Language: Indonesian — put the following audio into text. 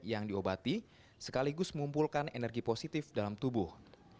yang diobati sekaligus mengumpulkan energi positif dalam tubuh